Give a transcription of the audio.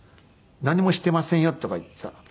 「何もしてませんよ」とか言ってさ。